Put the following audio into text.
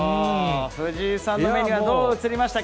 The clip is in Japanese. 藤井さんの目にはどう映りましたか？